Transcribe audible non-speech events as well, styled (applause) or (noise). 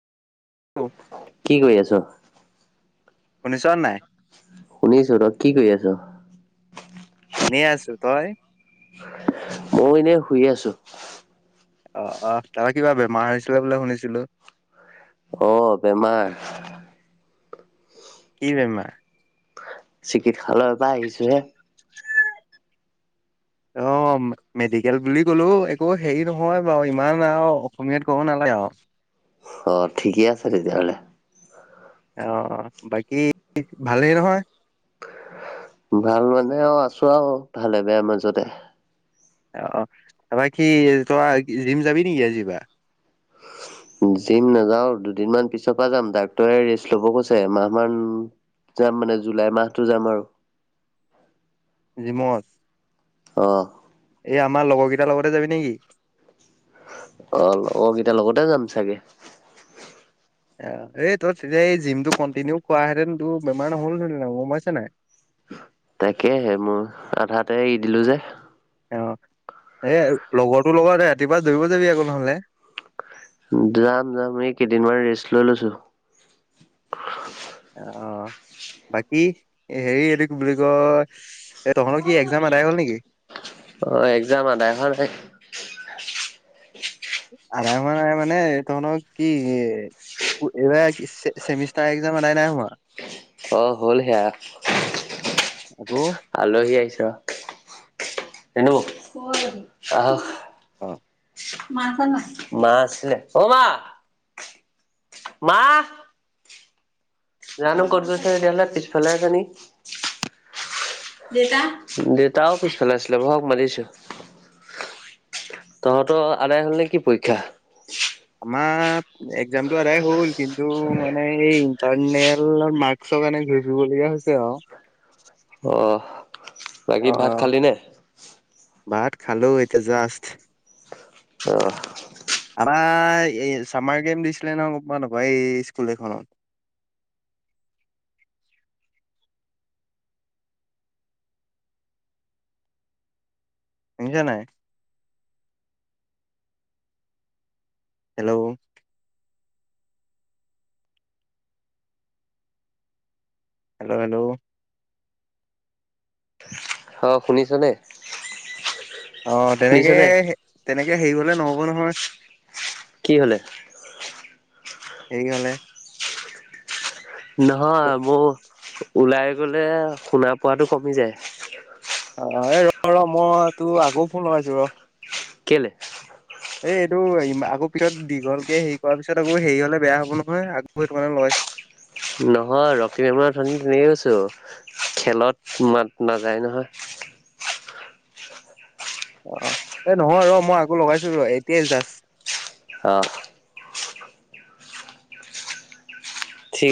কি কৰি আছ? শুনিছনে নাই? শুনিছো, তই কি কৰি আছ? এনেই আছো। তই? মইও এনেই শুই আছো। অ' তাৰপা কিবা বেমাৰ হৈছিলে বোলে শুনিছিলো? অঁ' বেমাৰ। কি বেমাৰ? চিকিৎসালয়ৰ পৰা আহিছো হে। (inaudible) অঁ মেডিকেল বুলি কলো একো হেৰি নহয় বাৰু ইমান আৰু অসমীয়াত ক'ব নালাগে আও। অ' ঠিকেই আছে তেতিয়াহ'লে। অঁ অঁ, বাকী ভালেই নহয়। ভাল মানে আও আছো আও ভালে বেয়া মাজতে। অ' তপা কি তোমাৰ জিম যাবি নেকি আজি পা? যিম নাযাওঁ, দুদিনমান পিছৰ পৰা যাম ডাক্টৰে ৰেষ্ট ল'ব কৈছে এমাহ মান। যাম মানে জুলাই মাহতো যাম আৰু। জিমত। অঁ' এই আমাৰ লগৰ গিটাৰ লগতে যাবি নেকি? অ' লগগিটাৰ লগতে যাম চাগে। অ, এই তই তেতিয়া এই জিমটো কণ্টিনিউ কৰা হেতেন তোৰ বেমাৰ নহ'ল হেতেন হ'লে গম পাইছা নাই? তাকেহে, মোৰ আধাতে এৰি দিলো যে। অঁ, এই লগৰটো লগতে ৰাতিপুৱা দৌৰিব যাবি আকৌ নহলে। যাম যাম, এই কেইদিনমান ৰেষ্ট লৈ লৈছো। অঁ' বাকী হেৰি এইটো কি বুলি কয় এ তহঁতৰ কি এক্সজাম এদায় হ'ল নেকি? অঁ এক্সজাম আদাই হোৱা নাই। আদায় হোৱা নাই মানে, এ তহঁৰ কি এ- এইবাৰ চেমিষ্টাৰ এক্সজাম আদায় নাই হোৱা। অ' হ'ল সেয়া। আকৌ আলহী আহিছ, আহক। অঁ' মা আছেনে নাই? মা আছে, অ' মা। মাঁ' জানো ক'ত গৈছে তেতিয়াহলে পিছফালে আছে নি? দেউতাও পিছফালে আছিলে, বহক মাতিছো। তহঁতৰ আদায় হ'ল নে কি পৰীক্ষা? আমাৰ এক্জামটো আদায় হল, কিন্তু মানে এই- তাৰ নেলৰ মাক্সৰ কাৰণে ঘূৰি ফুৰিবলগীয়া হৈছে আও। অ'হ। অঁ অঁ ভাত খালো এতিয়া জাষ্ট। অ' আমাৰ এই চামাৰ গেম দিছিলে নহয় গম পাও নাপাও? এই স্কুল এখনত। শুনিছা নাই? Hello hello, hello. হ' শুনিছনে? অঁ তেনেকে শুনিছনে তেনেকে হেৰি হলে নহব নহয়। কি কলে? সেই হলে- নহয় মোৰ ওলাই গ'লে শুনা পোৱটো কমি যায়। অ', এ ৰ'হ ৰ'হ মই তোৰ আকৌ ফোন লগাইছো ৰ'হ। কেইলে? এই এইটো আকৌ পিছত দীঘলকে হেৰি কৰাৰ পিছত আকৌ হেৰি হ'লে বেয়া হ'ব নহয় আকৌ সেইটো কাৰণে লগাইছো। নহয় (unintelligible) খেলত মাত নাযায় নহয়। অ', এই নহয় ৰ'হ মই আকৌ লগাইছো ৰ'হ এতিয়াই জাষ্ট। অ'। ঠিক